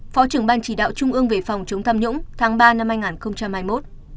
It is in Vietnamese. phó trưởng ban chỉ đạo trung ương về phòng chống tham nhũng tháng ba năm hai nghìn hai mươi một